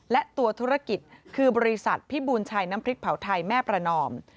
และตัวธุรกิจคือบริษัทพิบูรณชัยน้ำพริกเผาไทยแม่ประนอม